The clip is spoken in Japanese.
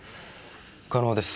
可能です。